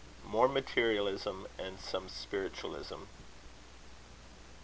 MORE MATERIALISM AND SOME SPIRITUALISM.